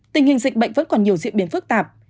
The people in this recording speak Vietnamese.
tình hình dịch bệnh vẫn còn nhiều diễn biến phức tạp